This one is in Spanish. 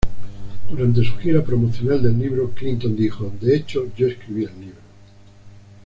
Durante su gira promocional del libro, Clinton dijo: "De hecho, yo escribí el libro...